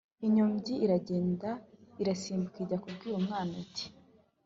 Inyombyi iragenda irasimbuka ijya kubwira umwana iti